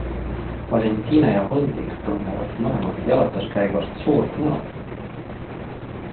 Valentina ja Hundik tunnevad mõlemad jalutuskäigust suurt mõnu.